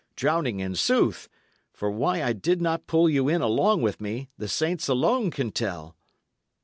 Drowning, in sooth; for why I did not pull you in along with me, the saints alone can tell!"